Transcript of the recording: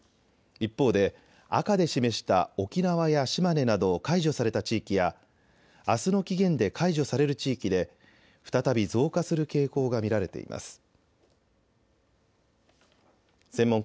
一方で、赤で示した沖縄や島根など解除された地域やあすの期限で解除される地域で再び増加する傾向が見られています。